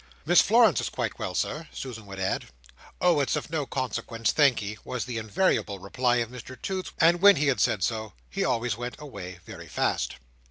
"Miss Florence is quite well, Sir," Susan would add. "Oh, it's of no consequence, thank'ee," was the invariable reply of Mr Toots; and when he had said so, he always went away very fast.